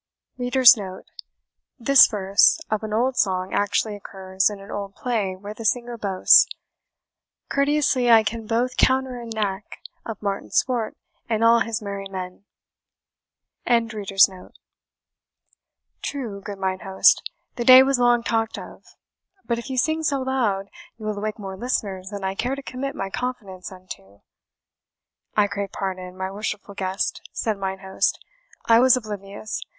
[This verse of an old song actually occurs in an old play where the singer boasts, "Courteously I can both counter and knack Of Martin Swart and all his merry men."] "True, good mine host the day was long talked of; but if you sing so loud, you will awake more listeners than I care to commit my confidence unto." "I crave pardon, my worshipful guest," said mine host, "I was oblivious.